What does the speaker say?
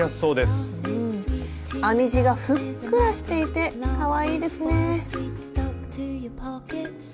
編み地がふっくらしていてかわいいですね。